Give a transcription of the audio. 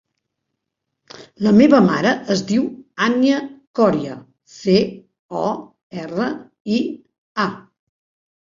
La meva mare es diu Ànnia Coria: ce, o, erra, i, a.